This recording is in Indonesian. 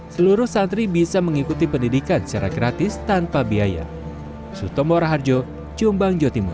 seluruh santri bisa mengikuti pendidikan secara gratis tanpa biaya